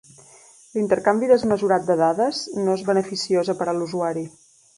L'intercanvi desmesurat de dades no és beneficiosa per a l'usuari.